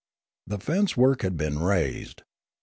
The fence work had been raised.